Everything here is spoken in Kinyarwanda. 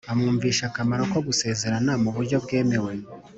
amwumvisha akamaro ko gusezerana mu buryo bwemewe